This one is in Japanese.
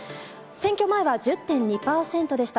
選挙前は１０．２％でした。